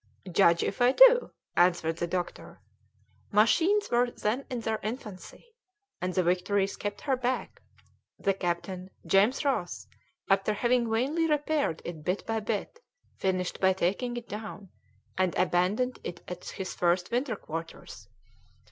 "Judge if I do," answered the doctor. "Machines were then in their infancy, and the Victory's kept her back; the captain, James Ross, after having vainly repaired it bit by bit, finished by taking it down, and abandoned it at his first winter quarters."